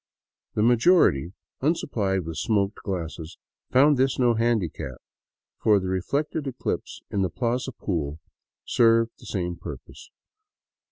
The majority, unsupplied with smoked glasses, found this no handicap, for the reflected eclipse in the plaza pool served the same purpose.